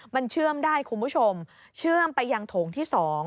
มันเชื่อมได้คุณผู้ชมเชื่อมไปยังโถงที่๒